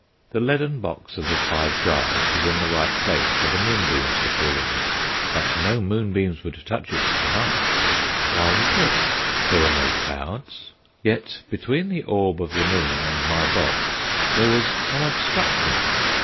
The leaden box of the Five Jars was in the right place for the moonbeams to fall on it.... But no moonbeams would touch it to night! Why was this? There were no clouds. Yet, between the orb of the moon and my box, there was some obstruction.